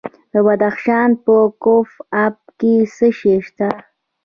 د بدخشان په کوف اب کې څه شی شته؟